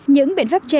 những biện pháp chế